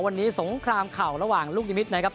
วันนี้สงครามเข่าระหว่างลูกนิมิตรนะครับ